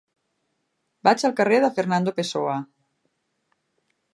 Vaig al carrer de Fernando Pessoa.